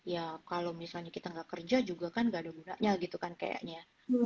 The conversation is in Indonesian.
ternyata juga kita pikir ya kalau misalnya kita nggak kerja juga kan nggak ada gunanya gitu kan kayaknya